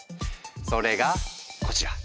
それがこちら！